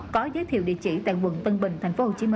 có giới thiệu địa chỉ tại quận tân bình tp hcm